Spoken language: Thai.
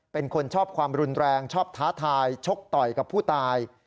เป็นคนชอบความรุนแรงชอบท้าทายชกต่อยกับผู้ตาย